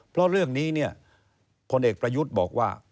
เพราะเรื่องนี้เนี่ยพลเอกประยุทธ์บอกว่า